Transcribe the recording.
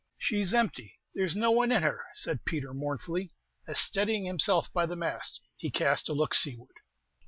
"She's empty! there's no one in her!" said Peter, mournfully, as, steadying himself by the mast, he cast a look seaward.